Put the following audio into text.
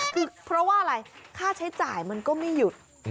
คือเพราะว่าอะไรค่าใช้จ่ายมันก็ไม่หยุด